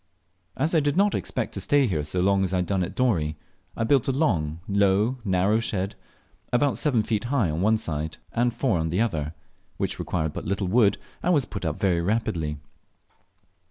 As I did not expect to stay here so long as I had done at Dorey, I built a long, low, narrow shed, about seven feet high on one side and four on the other, which required but little wood, and was put up very rapidly.